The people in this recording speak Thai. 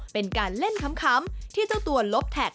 เป็นการเล่นค้ำที่เจ้าตัวลบแท็ก